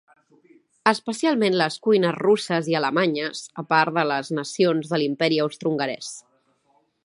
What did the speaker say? Especialment les cuines russes i alemanyes, a part de les nacions de l'imperi austrohongarès.